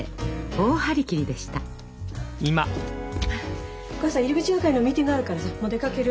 お母さん入り口係のミーティングあるからさもう出かける。